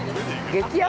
◆激安？